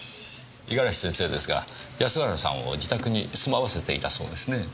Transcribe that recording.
五十嵐先生ですが安原さんを自宅に住まわせていたそうですねぇ。